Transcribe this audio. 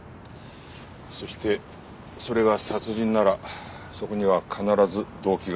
そしてそれが殺人ならそこには必ず動機がある。